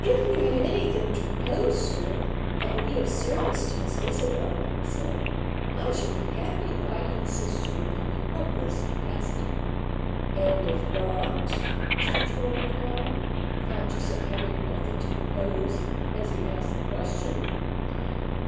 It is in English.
"If you have anything to propose, sir, that will be of service to Miss Isabel," he said, "I shall be happy if I can assist you in the humblest capacity." "And if not?" Mr. Troy inquired, conscious of having nothing to propose as he asked the question.